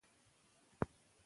ساده عادتونه غوره کړه.